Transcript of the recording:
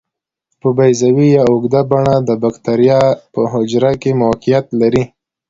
په بیضوي یا اوږده بڼه د باکتریا په حجره کې موقعیت لري.